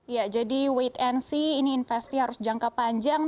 ya jadi wait and see ini investasi harus jangka panjang